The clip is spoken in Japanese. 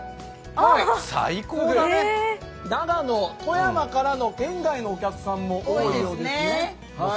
長野、富山の県外からのお客さんも多いそうです。